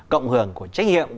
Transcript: cộng hưởng của trách nhiệm